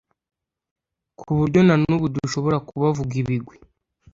ku buryo na n'ubu dushobora kubavuga ibigwi